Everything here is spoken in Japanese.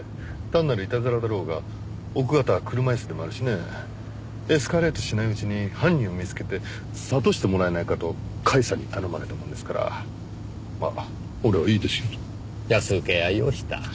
「単なるいたずらだろうが奥方は車椅子でもあるしねエスカレートしないうちに犯人を見つけて諭してもらえないか」と甲斐さんに頼まれたもんですからまあ俺は「いいですよ」と。安請け合いをした。